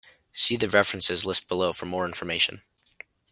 See the references list below for more information.